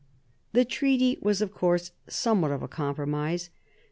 The treaty was of course somewhat of a compromise.